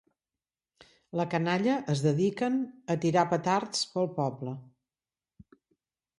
La canalla es dediquen a tirar petards pel poble.